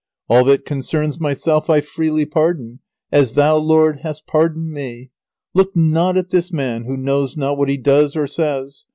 All that concerns myself I freely pardon, as Thou, Lord, hast pardoned me. Look not at this man who knows not what he does or says.